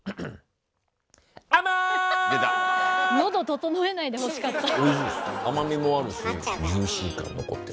喉整えないでほしかった。